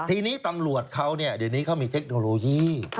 ทีนี้ตำรวจเขาเนี่ยเดี๋ยวนี้เขามีเทคโนโลยี